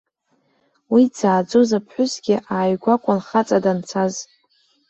Уи дзааӡоз аԥҳәысгьы ааигәа акәын хаҵа данцаз.